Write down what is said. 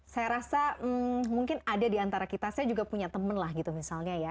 saya rasa mungkin ada di antara kita saya juga punya teman misalnya